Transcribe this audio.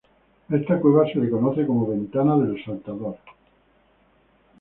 A esta cueva se le conoce como "ventana de El Saltador".